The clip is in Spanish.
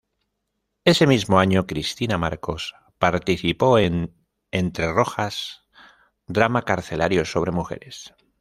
Ese mismo año Cristina Marcos participó en "Entre rojas", drama carcelario sobre mujeres.